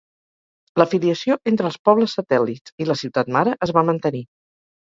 L'afiliació entre els pobles satèl·lits i la ciutat mare es va mantenir.